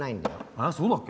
えっそうだっけ？